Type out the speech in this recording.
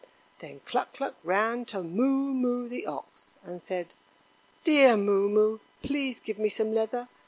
Then Cluck cluck ran to Moo moo, the ox, and said: "Dear Moo moo, please give me some leather.